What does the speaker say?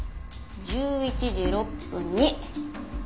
１１時６分に。